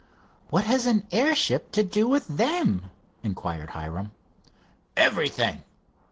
"What has an airship to do with them?" inquired Hiram. "Everything.